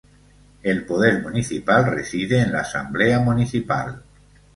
El poder municipal reside en la asamblea municipal.